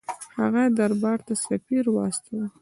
هغه دربار ته سفیر واستاوه.